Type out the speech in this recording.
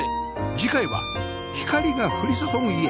次回は光が降り注ぐ家